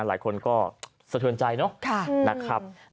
หลายคนก็สะเทินใจเนาะ